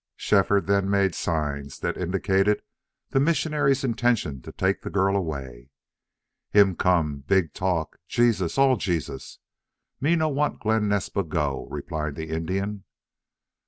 Shefford then made signs that indicated the missionary's intention to take the girl away. "Him come big talk Jesus all Jesus.... Me no want Glen Naspa go," replied the Indian.